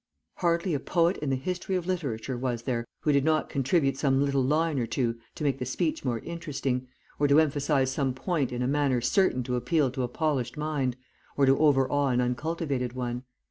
Hardly a poet in the history of literature was there who did not contribute some little line or two to make the speech more interesting, or to emphasize some point in a manner certain to appeal to a polished mind or overawe an uncultivated one.